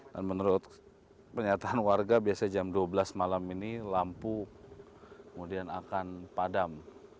dan menurut pernyataan warga biasanya jam dua belas malam ini lampu kemudian akan padam